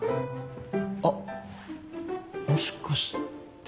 あっもしかして。